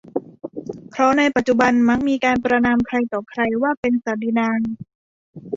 เพราะในปัจจุบันมักมีการประณามใครต่อใครว่าเป็นศักดินา